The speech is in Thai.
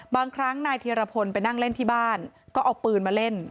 บางครั้งนายธีรพลไปนั่งเล่นที่บ้านก็เอาปืนมาเล่น